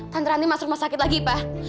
tante ranti masuk rumah sakit lagi pak